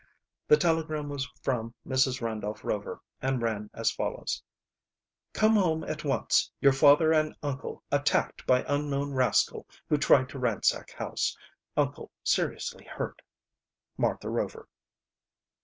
The telegram was from Mrs. Randolph Rover, and ran as follows: "Come home at once. Your father and uncle attacked by unknown rascal who tried to ransack house. Uncle seriously hurt. "Martha Rover."